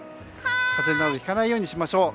風邪などひかないようにしましょう。